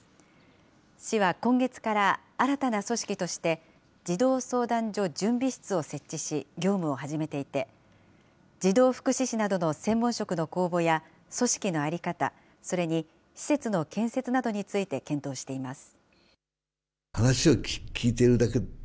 市は今月から新たな組織として、児童相談所準備室を設置し、業務を始めていて、児童福祉司などの専門職の公募や、組織の在り方、それに施設の建設などについて検討しています。